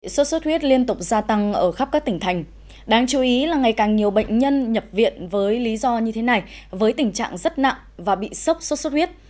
sốt xuất huyết liên tục gia tăng ở khắp các tỉnh thành đáng chú ý là ngày càng nhiều bệnh nhân nhập viện với lý do như thế này với tình trạng rất nặng và bị sốc sốt xuất huyết